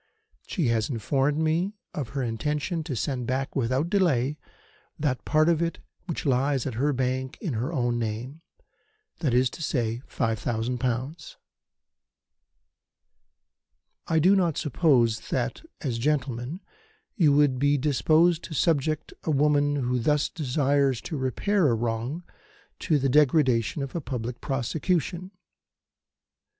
She has informed me of her intention to send back without delay that part of it which lies at her bank in her own name that is to say, five thousand pounds. "I do not suppose that, as gentlemen, you would be disposed to subject a woman who thus desires to repair a wrong to the degradation of a public prosecution.